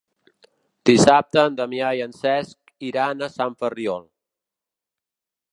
Dissabte en Damià i en Cesc iran a Sant Ferriol.